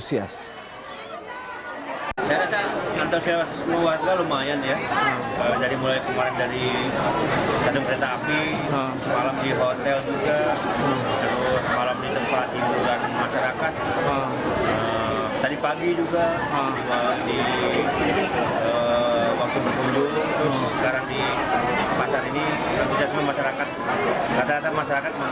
sebagai tempat warga antusias